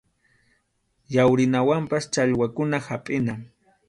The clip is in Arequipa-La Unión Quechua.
Yawrinawanpas challwakuna hapʼina.